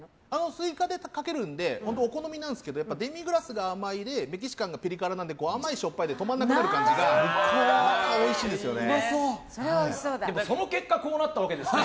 追加でかけるのでお好みなんですけどデミグラスが甘いでメキシカンがピリ辛なので甘い、しょっぱいで止まらなくなる感じがおいしいんですよね。